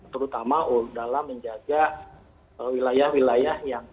terutama dalam menjaga wilayah wilayah yang